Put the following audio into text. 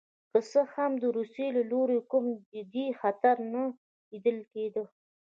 که څه هم د روسیې له لوري کوم جدي خطر نه لیدل کېده.